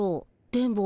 電ボ。